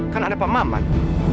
kan ada pak maman